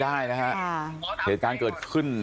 บอกแล้วบอกแล้วบอกแล้ว